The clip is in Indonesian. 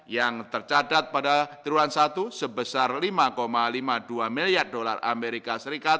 yang tercatat pada triwulan satu sebesar lima lima puluh dua miliar dolar amerika serikat